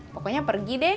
pokoknya pergi deh